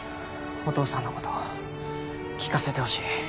お父さんの事聞かせてほしい。